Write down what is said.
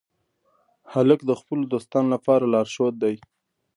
هلک د خپلو دوستانو لپاره لارښود دی.